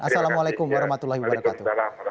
assalamualaikum warahmatullahi wabarakatuh